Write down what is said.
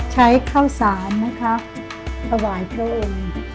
ใช้ข้าวสารนะคะถวายพระองค์